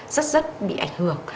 rất rất bị ảnh hưởng